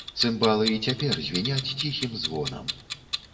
Цымбалы і цяпер звіняць ціхім звонам.